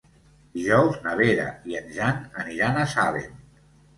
Dijous na Vera i en Jan aniran a Salem.